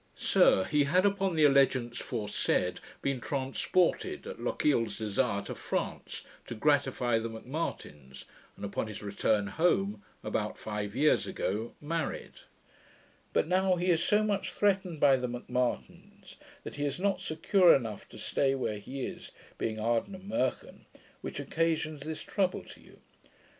Sir, he had, upon the alledgeance foresaid, been transported, at Lochiel's desire, to France, to gratify the M'Martins, and upon his return home, about five years ago, married: But now he is so much theatened by the M'Martins, that he is not secure enough to stay where he is, being Ardmurchan, which occasions this trouble to you.